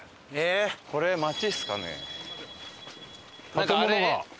建物が。